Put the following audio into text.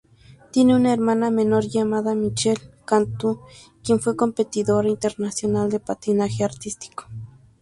Tiene una hermana menor llamada Michele Cantú, quien fue competidora internacional de patinaje artístico.